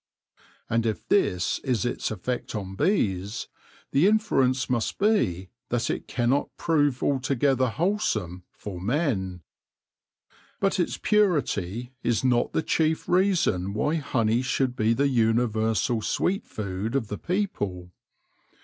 And if this is its effect on bees, the inference must be that it cannot prove altogether wholesome for men. But its purity is not the chief reason why honey should be the universal sweet food of the people.